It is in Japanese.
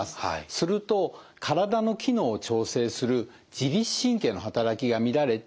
すると体の機能を調整する自律神経の働きが乱れて疲れを感じるんです。